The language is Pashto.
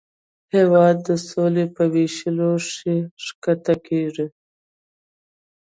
هېواد د سولې په ویشلو ښکته کېږي.